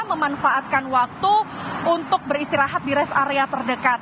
memanfaatkan waktu untuk beristirahat di rest area terdekat